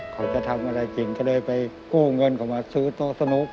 เขาจะทำอะไรกินก็เลยไปกู้เงินเขามาซื้อโต๊ะสนุก